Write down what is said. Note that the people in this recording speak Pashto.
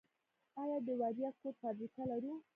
آیا د یوریا کود فابریکه لرو؟